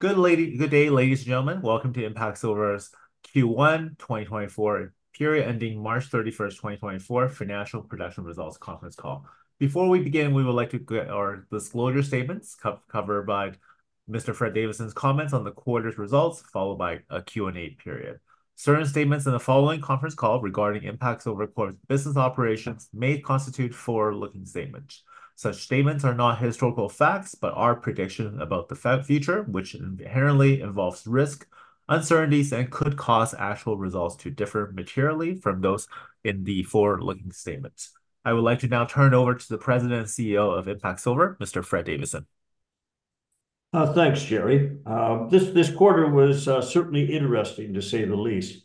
Good day, ladies and gentlemen. Welcome to Impact Silver's Q1 2024 period ending March 31st, 2024, financial production results conference call. Before we begin, we would like to get our disclosure statements covered by Mr. Fred Davidson's comments on the quarter's results, followed by a Q&A period. Certain statements in the following conference call regarding Impact Silver's business operations may constitute forward-looking statements. Such statements are not historical facts, but are prediction about the future, which inherently involves risk, uncertainties, and could cause actual results to differ materially from those in the forward-looking statements. I would like to now turn it over to the President and CEO of Impact Silver, Mr. Fred Davidson. Thanks, Jerry. This quarter was certainly interesting, to say the least.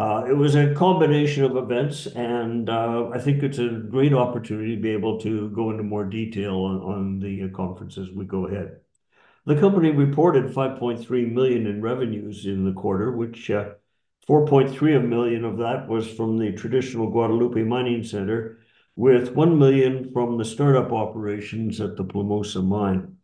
It was a combination of events, and I think it's a great opportunity to be able to go into more detail on the conference as we go ahead. The company reported 5.3 million in revenues in the quarter, which 4.3 million of that was from the traditional Guadalupe Mining Center, with 1 million from the startup operations at the Plomosas mine.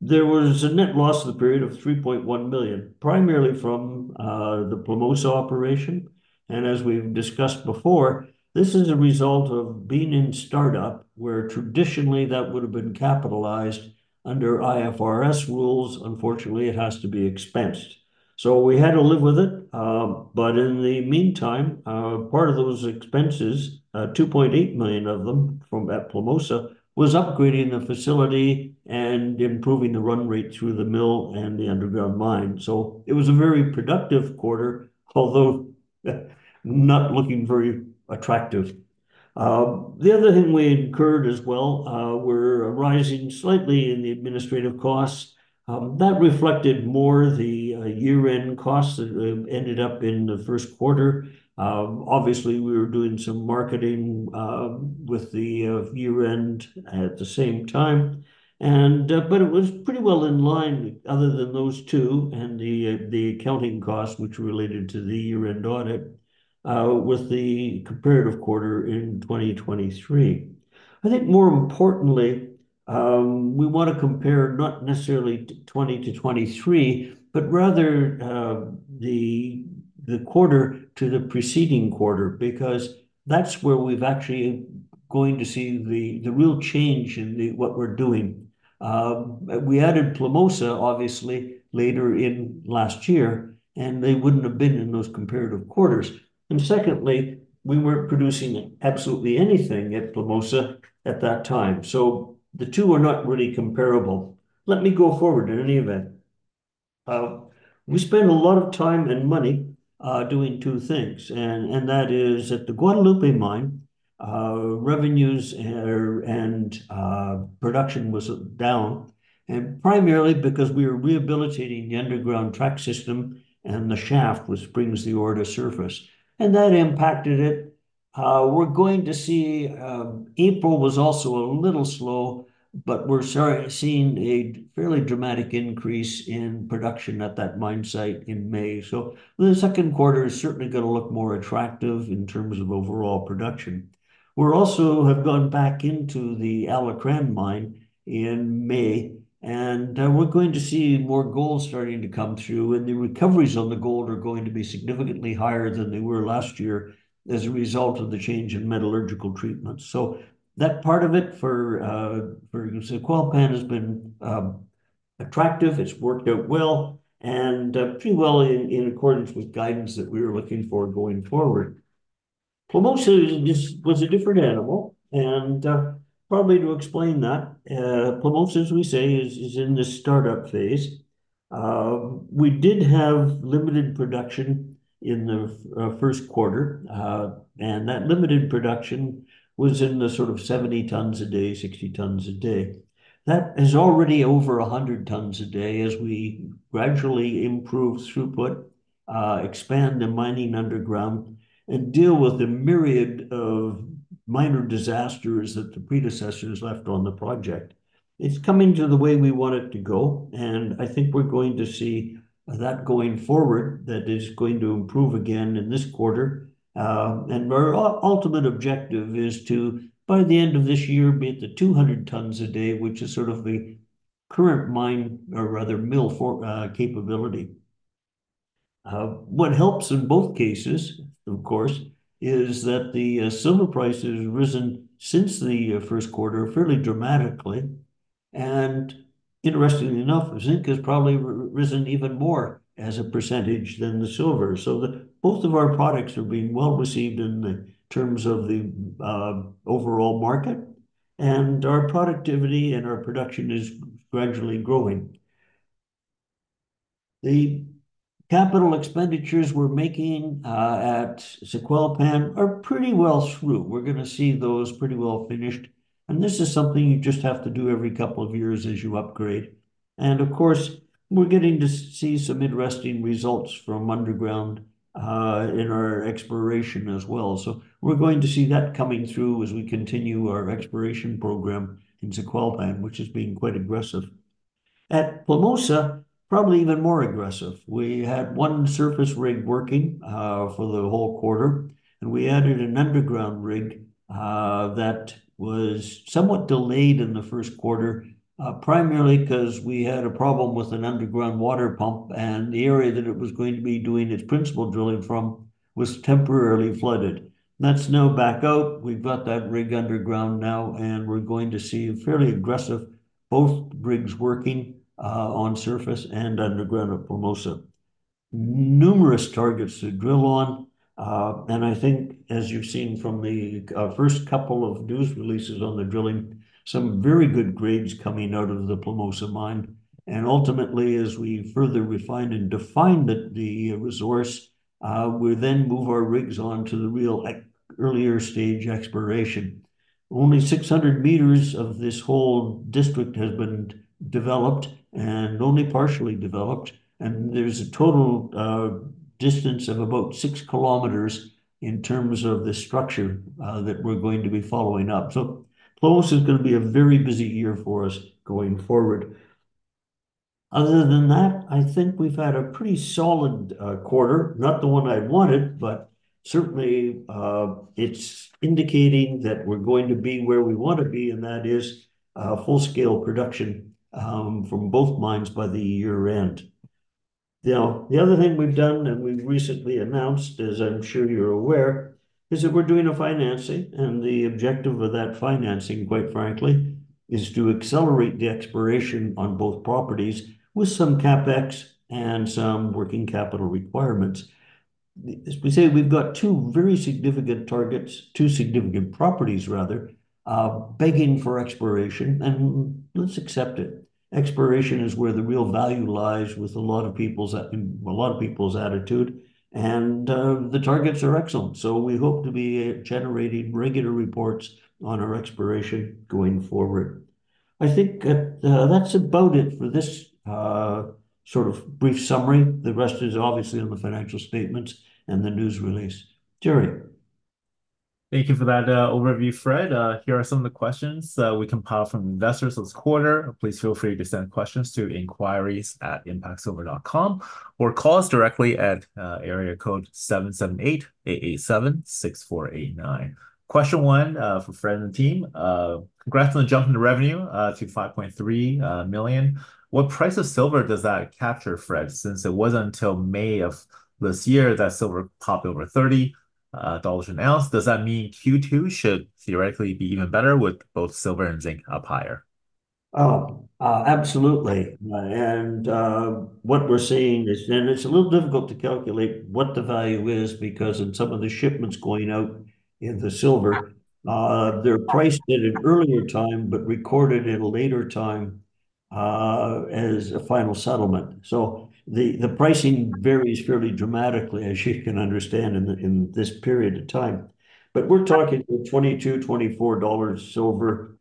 There was a net loss in the period of 3.1 million, primarily from the Plomosas operation, and as we've discussed before, this is a result of being in startup, where traditionally that would've been capitalized under IFRS rules. Unfortunately, it has to be expensed. So we had to live with it, but in the meantime, part of those expenses, 2.8 million of them from Plomosas, was upgrading the facility and improving the run rate through the mill and the underground mine. So it was a very productive quarter, although not looking very attractive. The other thing we incurred as well were rising slightly in the administrative costs. That reflected more the year-end costs that ended up in the first quarter. Obviously, we were doing some marketing with the year-end at the same time, and but it was pretty well in line, other than those two, and the the accounting costs, which were related to the year-end audit, with the comparative quarter in 2023. I think more importantly, we want to compare not necessarily 2020-2023, but rather, the quarter to the preceding quarter, because that's where we've actually going to see the real change in what we're doing. We added Plomosas, obviously, later in last year, and they wouldn't have been in those comparative quarters. And secondly, we weren't producing absolutely anything at Plomosas at that time, so the two are not really comparable. Let me go forward in any event. We spent a lot of time and money doing two things, and that is, at the Guadalupe mine, revenues and production was down, and primarily because we were rehabilitating the underground track system, and the shaft, which brings the ore to surface, and that impacted it. We're going to see April was also a little slow, but we're seeing a fairly dramatic increase in production at that mine site in May. So the second quarter is certainly gonna look more attractive in terms of overall production. We're also have gone back into the Alacran Mine in May, and we're going to see more gold starting to come through, and the recoveries on the gold are going to be significantly higher than they were last year as a result of the change in metallurgical treatment. So that part of it for Zacualpan has been attractive. It's worked out well, and pretty well in accordance with guidance that we were looking for going forward. Plomosas is just was a different animal, and probably to explain that, Plomosas, as we say, is in the startup phase. We did have limited production in the first quarter, and that limited production was in the sort of 70 tons a day, 60 tons a day. That is already over 100 tons a day as we gradually improve throughput, expand the mining underground, and deal with the myriad of minor disasters that the predecessors left on the project. It's coming to the way we want it to go, and I think we're going to see that going forward, that is going to improve again in this quarter. And our ultimate objective is to, by the end of this year, be at 200 tons a day, which is sort of the current mine, or rather mill for capability. What helps in both cases, of course, is that the silver price has risen since the first quarter fairly dramatically, and interestingly enough, zinc has probably risen even more as a percentage than the silver. So both of our products are being well received in the terms of the overall market, and our productivity and our production is gradually growing. The capital expenditures we're making at Zacualpan are pretty well through. We're gonna see those pretty well finished, and this is something you just have to do every couple of years as you upgrade. And of course, we're getting to see some interesting results from underground in our exploration as well. So we're going to see that coming through as we continue our exploration program in Zacualpan, which is being quite aggressive. At Plomosas, probably even more aggressive. We had one surface rig working for the whole quarter, and we added an underground rig that was somewhat delayed in the first quarter, primarily 'cause we had a problem with an underground water pump, and the area that it was going to be doing its principal drilling from was temporarily flooded. That's now back out. We've got that rig underground now, and we're going to see a fairly aggressive, both rigs working, on surface and underground at Plomosas. Numerous targets to drill on, and I think as you've seen from the first couple of news releases on the drilling, some very good grades coming out of the Plomosas mine. And ultimately, as we further refine and define the resource, we'll then move our rigs on to the real earlier stage exploration. Only 600 meters of this whole district has been developed, and only partially developed, and there's a total distance of about 6 kilometers in terms of the structure that we're going to be following up. So Plomosas is gonna be a very busy year for us going forward. Other than that, I think we've had a pretty solid quarter. Not the one I wanted, but certainly, it's indicating that we're going to be where we want to be, and that is full-scale production from both mines by the year end. Now, the other thing we've done, and we've recently announced, as I'm sure you're aware, is that we're doing a financing, and the objective of that financing, quite frankly, is to accelerate the exploration on both properties with some CapEx and some working capital requirements. As we say, we've got two very significant targets, two significant properties rather, begging for exploration, and let's accept it. Exploration is where the real value lies with a lot of people's attitude, and the targets are excellent. So we hope to be generating regular reports on our exploration going forward. I think that's about it for this sort of brief summary. The rest is obviously in the financial statements and the news release. Jerry? Thank you for that overview, Fred. Here are some of the questions that we compiled from investors this quarter. Please feel free to send questions to inquiries@impactsilver.com, or call us directly at area code 778-887-6489. Question one for Fred and the team: Congrats on the jump in the revenue to 5.3 million. What price of silver does that capture, Fred? Since it wasn't until May of this year that silver popped over $30 an ounce. Does that mean Q2 should theoretically be even better with both silver and zinc up higher? Oh, absolutely. And what we're seeing is... And it's a little difficult to calculate what the value is, because in some of the shipments going out in the silver, they're priced at an earlier time, but recorded at a later time, as a final settlement. So the pricing varies fairly dramatically, as you can understand, in this period of time. But we're talking $22-$24 silver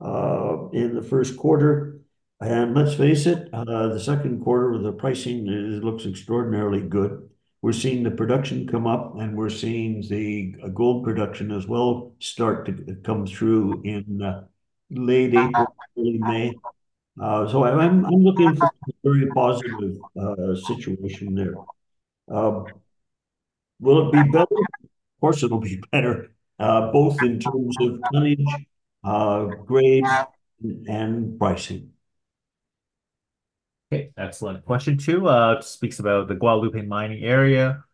in the first quarter. And let's face it, the second quarter with the pricing, it looks extraordinarily good. We're seeing the production come up, and we're seeing the gold production as well start to come through in late April, early May. So I'm looking for a very positive situation there. Will it be better? Of course, it'll be better, both in terms of tonnage, grade, and pricing. Okay, excellent. Question two speaks about the Guadalupe mining area,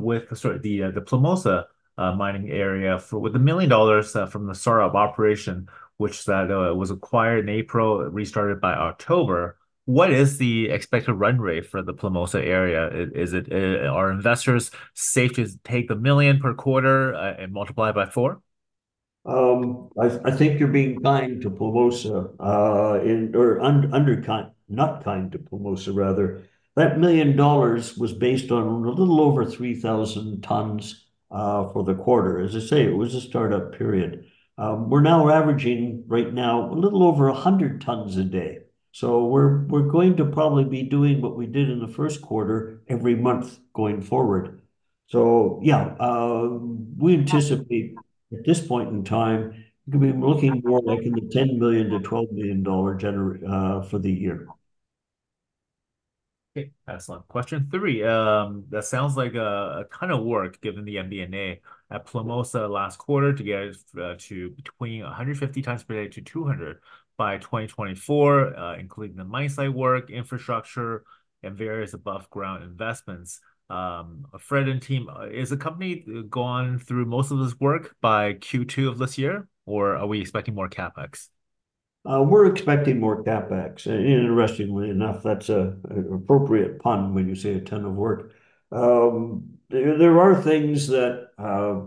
with the, sorry, the Plomosas mining area. With $1 million from the start-up operation, which was acquired in April, restarted by October, what is the expected run rate for the Plomosas area? Is it... Are investors safe to take the $1 million per quarter and multiply it by four? I think you're being kind to Plomosas, or unkind, not kind to Plomosas, rather. That 1 million dollars was based on a little over 3,000 tons for the quarter. As I say, it was a start-up period. We're now averaging a little over 100 tons a day. So we're going to probably be doing what we did in the first quarter every month going forward. So yeah, we anticipate at this point in time, we're gonna be looking more like in the 10 million-12 million dollar gener- for the year. Okay, excellent. Question three: That sounds like a ton of work, given the MD&A at Plomosas last quarter, to get it to between 150-200 tons per day by 2024, including the mine site work, infrastructure, and various above-ground investments. Fred and team, has the company gone through most of this work by Q2 of this year, or are we expecting more CapEx? We're expecting more CapEx, and interestingly enough, that's an appropriate pun when you say a ton of work. There are things that,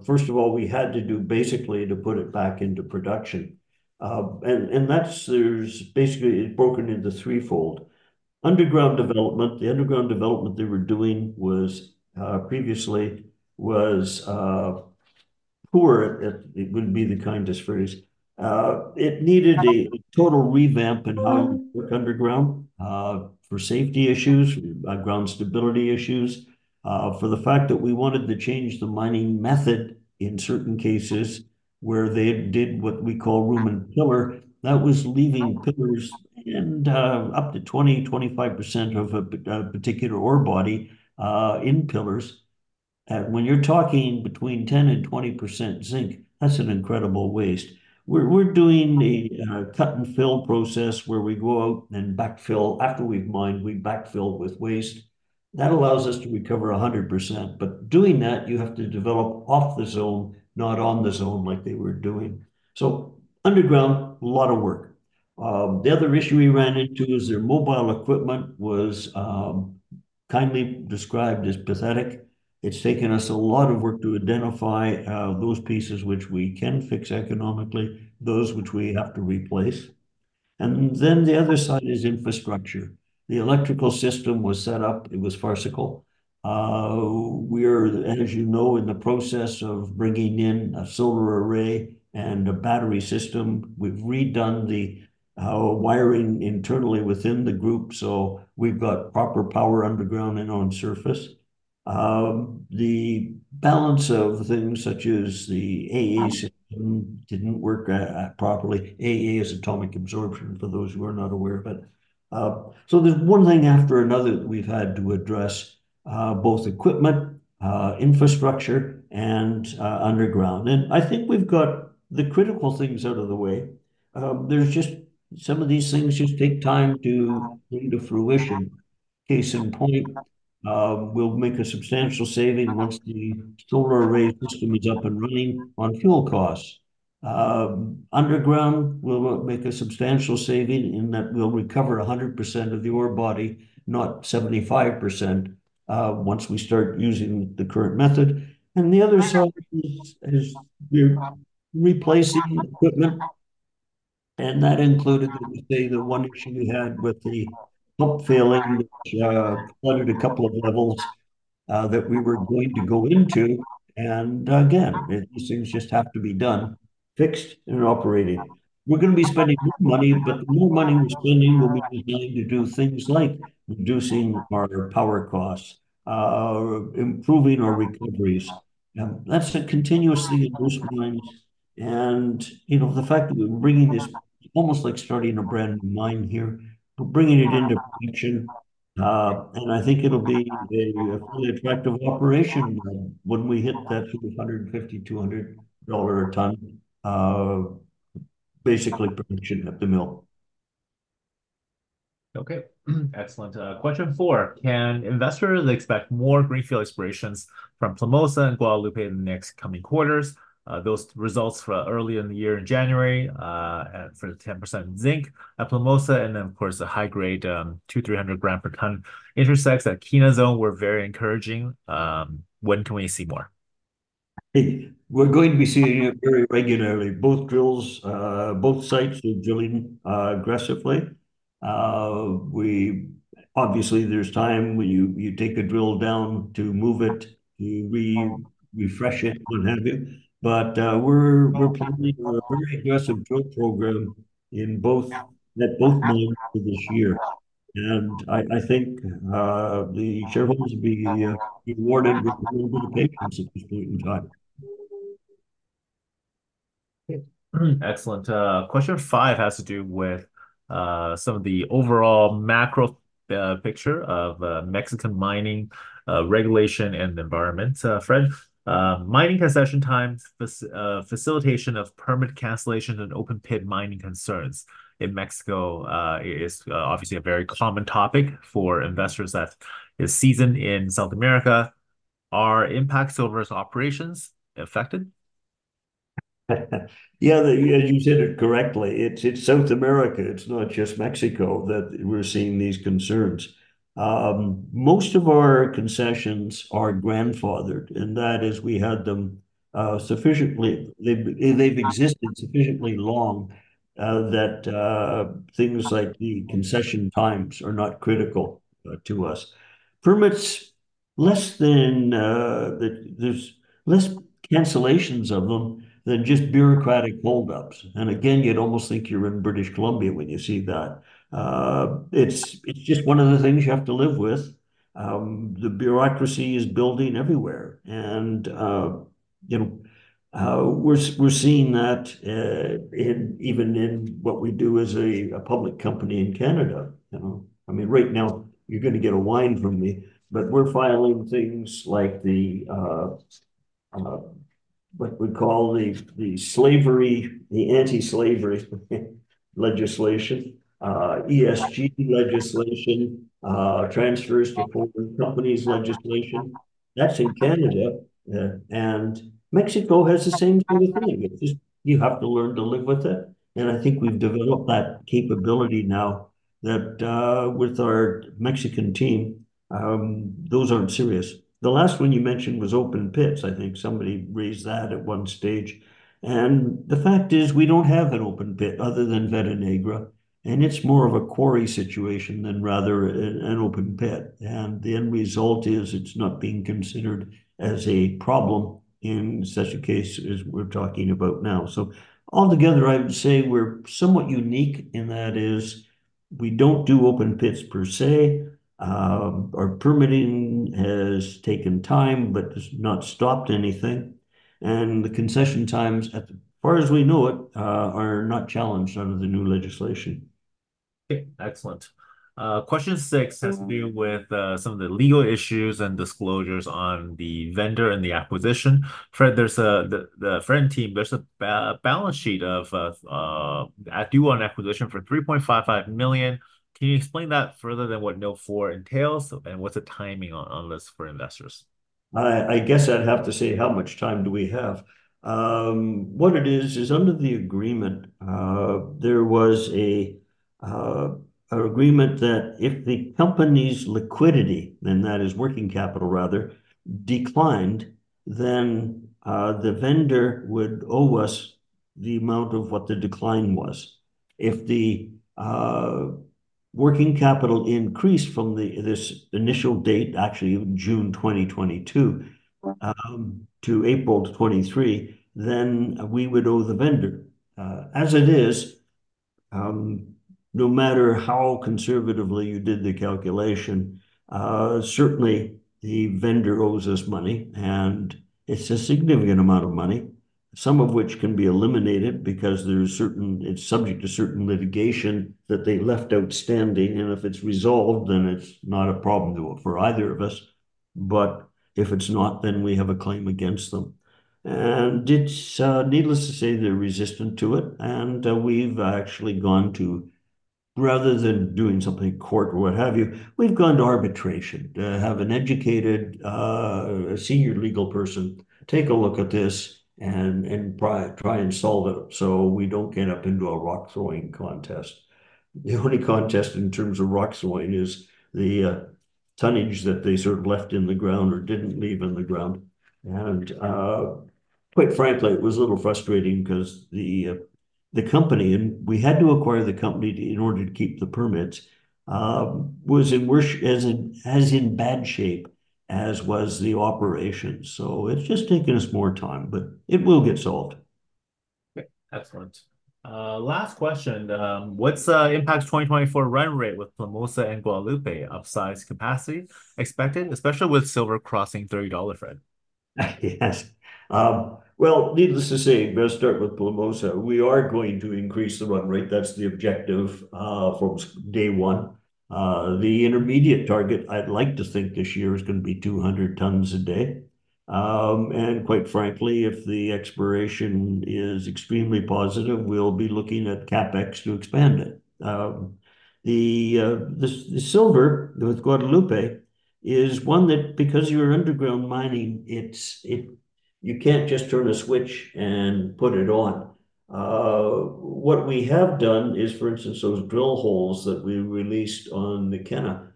first of all, we had to do basically to put it back into production. And that's basically broken into threefold. Underground development, the underground development they were doing was previously poor. It would be the kindest phrase. It needed a total revamp in how to work underground, for safety issues, ground stability issues, for the fact that we wanted to change the mining method in certain cases, where they did what we call Room and Pillar. That was leaving pillars and up to 20%-25% of a particular ore body in pillars. And when you're talking between 10%-20% zinc, that's an incredible waste. We're doing a cut and fill process, where we go out and backfill. After we've mined, we backfill with waste. That allows us to recover 100%, but doing that, you have to develop off the zone, not on the zone like they were doing. So underground, a lot of work. The other issue we ran into is their mobile equipment was kindly described as pathetic. It's taken us a lot of work to identify those pieces which we can fix economically, those which we have to replace. And then the other side is infrastructure. The electrical system was set up. It was farcical. We're, as you know, in the process of bringing in a solar array and a battery system. We've redone the wiring internally within the group, so we've got proper power underground and on surface. The balance of things, such as the AA system, didn't work properly. AA is atomic absorption, for those who are not aware. But so there's one thing after another that we've had to address both equipment, infrastructure, and underground. And I think we've got the critical things out of the way. There's just some of these things just take time to bring to fruition. Case in point, we'll make a substantial saving once the solar array system is up and running on fuel costs. Underground, we'll make a substantial saving in that we'll recover 100% of the ore body, not 75%, once we start using the current method. The other side is we're replacing equipment, and that included the one issue we had with the pump failing, which flooded a couple of levels that we were going to go into. And again, these things just have to be done, fixed, and operating. We're gonna be spending more money, but the more money we're spending will be going to do things like reducing our power costs, improving our recoveries. And that's a continuous thing in those mines. And, you know, the fact that we're bringing this, almost like starting a brand new mine here, but bringing it into production. And I think it'll be a fully effective operation when we hit that $150-$200 a ton, basically production at the mill. Okay. Excellent. Question four: Can investors expect more greenfield explorations from Plomosas and Guadalupe in the next coming quarters? Those results from earlier in the year in January, and for the 10% zinc at Plomosas, and then, of course, the high-grade, 200-300 gram per ton intercepts at Kena Zone were very encouraging. When can we see more? We're going to be seeing it very regularly. Both drills, both sites are drilling aggressively. We obviously, there's time when you take a drill down to move it, to refresh it, what have you. But we're planning a very aggressive drill program in both, at both mines for this year. And I think the shareholders will be rewarded with a little bit of patience at this point in time. Excellent. Question five has to do with some of the overall macro picture of Mexican mining regulation and environment. Fred, mining concession times, facilitation of permit cancellation and open-pit mining concerns in Mexico is obviously a very common topic for investors that is seasoned in South America. Are IMPACT Silver's operations affected? Yeah, as you said it correctly, it's South America, it's not just Mexico, that we're seeing these concerns. Most of our concessions are grandfathered, and that is we had them sufficiently. They've existed sufficiently long that things like the concession times are not critical to us. Permits, less than the, there's less cancellations of them than just bureaucratic hold-ups. And again, you'd almost think you're in British Columbia when you see that. It's just one of the things you have to live with. The bureaucracy is building everywhere. And you know, we're seeing that in even in what we do as a public company in Canada, you know? I mean, right now, you're gonna get a whine from me, but we're filing things like the what we call the slavery, the anti-slavery legislation, ESG legislation, transfers to foreign companies legislation. That's in Canada, and Mexico has the same kind of thing. It's just, you have to learn to live with it, and I think we've developed that capability now that with our Mexican team, those aren't serious. The last one you mentioned was open pits. I think somebody raised that at one stage. And the fact is, we don't have an open pit other than Veta Negra, and it's more of a quarry situation than rather an open pit. And the end result is, it's not being considered as a problem in such a case as we're talking about now. Altogether, I would say we're somewhat unique, and that is, we don't do open pits per se. Our permitting has taken time, but it's not stopped anything. The concession times, as far as we know it, are not challenged under the new legislation. Excellent. Question six has to do with some of the legal issues and disclosures on the vendor and the acquisition. Fred, the friend team, there's a balance sheet of a due on acquisition for 3.55 million. Can you explain that further than what Note 4 entails, and what's the timing on this for investors? I guess I'd have to say, how much time do we have? What it is, is under the agreement, there was an agreement that if the company's liquidity, and that is working capital rather, declined, then the vendor would owe us the amount of what the decline was. If the working capital increased from this initial date, actually June 2022, to April 2023, then we would owe the vendor. As it is, no matter how conservatively you did the calculation, certainly the vendor owes us money, and it's a significant amount of money, some of which can be eliminated because there's certain, it's subject to certain litigation that they left outstanding, and if it's resolved, then it's not a problem to, for either of us. But if it's not, then we have a claim against them. It's needless to say, they're resistant to it, and we've actually gone to, rather than doing something in court or what have you, we've gone to arbitration, to have an educated, a senior legal person take a look at this and try and solve it so we don't get up into a rock-throwing contest. The only contest in terms of rock-throwing is the tonnage that they sort of left in the ground or didn't leave in the ground. And quite frankly, it was a little frustrating 'cause the company. And we had to acquire the company in order to keep the permits was in worse, as in, as in bad shape as was the operation. It's just taking us more time, but it will get solved. Okay, excellent. Last question. What's IMPACT's 2024 run rate with Plomosas and Guadalupe upsize capacity expected, especially with silver crossing $30/oz? Yes. Well, needless to say, better start with Plomosas. We are going to increase the run rate. That's the objective from day one. The intermediate target, I'd like to think this year, is gonna be 200 tons a day. And quite frankly, if the exploration is extremely positive, we'll be looking at CapEx to expand it. The silver with Guadalupe is one that because you're underground mining, it's you can't just turn a switch and put it on. What we have done is, for instance, those drill holes that we released on Kena,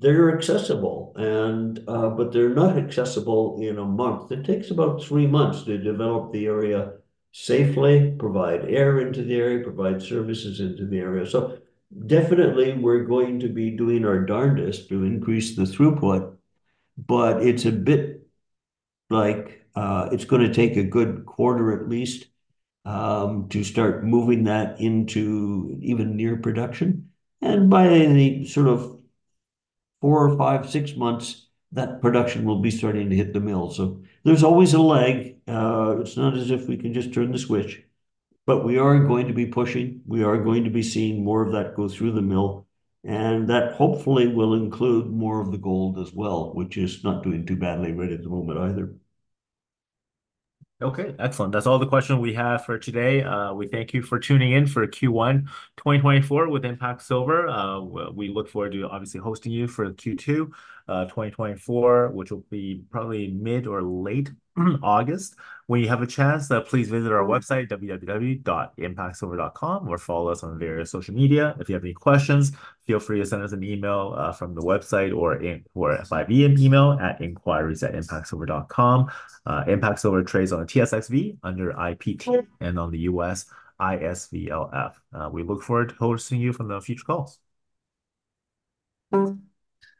they're accessible and but they're not accessible in a month. It takes about three months to develop the area safely, provide air into the area, provide services into the area. So definitely we're going to be doing our darndest to increase the throughput, but it's a bit like, it's gonna take a good quarter at least to start moving that into even near production. And by the sort of four, five, six months, that production will be starting to hit the mill. So there's always a lag. It's not as if we can just turn the switch, but we are going to be pushing. We are going to be seeing more of that go through the mill, and that hopefully will include more of the gold as well, which is not doing too badly right at the moment either. Okay, excellent. That's all the questions we have for today. We thank you for tuning in for Q1 2024 with Impact Silver. We look forward to obviously hosting you for Q2 2024, which will be probably mid or late August. When you have a chance, please visit our website, www.impactsilver.com, or follow us on various social media. If you have any questions, feel free to send us an email from the website or via email at inquiries@impactsilver.com. Impact Silver trades on the TSXV under IPT and on the U.S., ISVLF. We look forward to hosting you for the future calls.